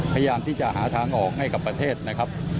พยายามที่จะหาทางออกให้กับประเทศนะครับ